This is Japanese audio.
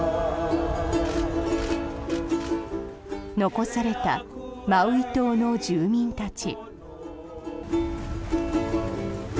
残されたマウイ島の住民たち。